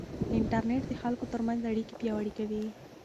انټرنيټ د خلکو ترمنځ اړیکې پیاوړې کوي.